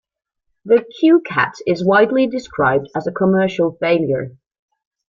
The CueCat is widely described as a commercial failure.